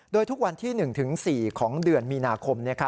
โดยทุกวันที่๑๔ของเดือนมีนาคม